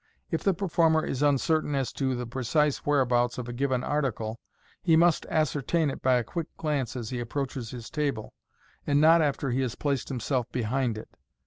If the per* former is uncertain as to the precise whereabouts of a given article, he must ascertain it by a quick glance as he approaches his table, and not after he has pieced himself behind it.